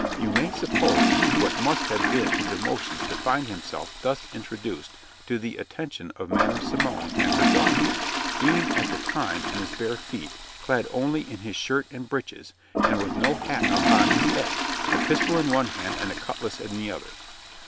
You may suppose what must have been his emotions to find himself thus introduced to the attention of Madam Simon and her daughter, being at the time in his bare feet, clad only in his shirt and breeches, and with no hat upon his head, a pistol in one hand and a cutlass in the other.